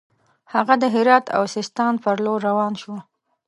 هغه د هرات او سیستان پر لور روان شو.